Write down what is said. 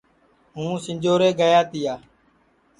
ہُوں سِنجھورے گِیا تِیا